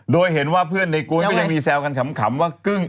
โดยเห็นว่าเพื่อนในกวนก็ยังมีแซวกันขำว่ากึ้ง